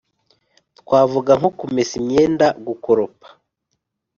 Twavuga nko kumesa imyenda, gukoropa